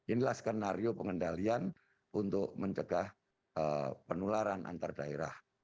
inilah skenario pengendalian untuk mencegah penularan antar daerah